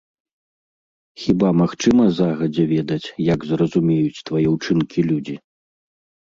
Хіба магчыма загадзя ведаць, як зразумеюць твае ўчынкі людзі?